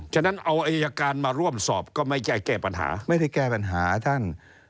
ฉะนั้นเอาอายการมาร่วมสอบก็ไม่ใช่แก้ปัญหาไม่ได้แก้ปัญหาท่าน